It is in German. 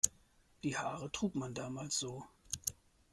Die Haare trug man damals so.